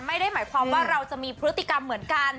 ไม่ได้หมายความว่าเราจะมีพฤติกรรมเหมือนกัน